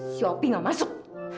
shopee nggak masuk